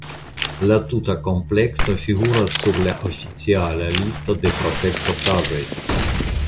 La tuta komplekso figuras sur la oficiala listo de protektotaĵoj.